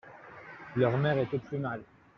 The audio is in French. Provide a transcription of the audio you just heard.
«Leur mère est au plus mal.